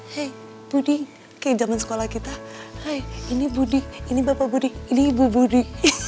hei budi kayak zaman sekolah kita hai ini budi ini bapak budi ini ibu budi